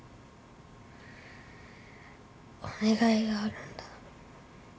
お願いがあるんだ。